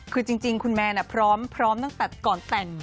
คือจริงคุณแมนพร้อมตั้งแต่ก่อนแต่ง